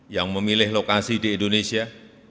yang memilih lokasi di indonesia